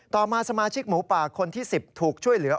ต่อมาสมาชิกหมูป่าคนที่๑๐ถูกช่วยเหลือ